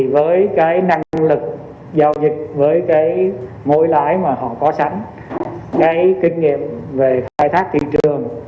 với năng lực giao dịch với mối lái mà họ có sẵn kinh nghiệm về phai thác thị trường